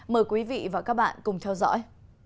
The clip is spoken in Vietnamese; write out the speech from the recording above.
mời quý vị và các bạn cùng theo dõi